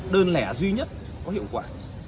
đơn lẻ duy nhất có hiệu quả